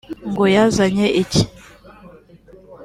ngo yazanya iki